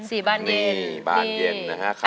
นี่บานเย็นนะครับ